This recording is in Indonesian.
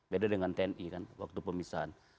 beda dengan tni kan waktu pemisahan